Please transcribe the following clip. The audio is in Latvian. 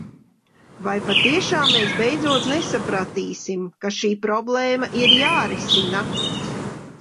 Vai patiešām mēs beidzot nesapratīsim, ka šī problēma ir jārisina?